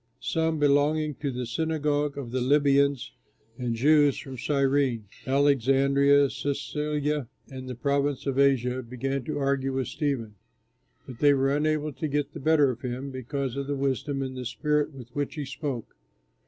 Some belonging to the Synagogue of the Libyans, and Jews from Cyrene, Alexandria, Cilicia, and the province of Asia began to argue with Stephen; but they were unable to get the better of him because of the wisdom and spirit with which he spoke.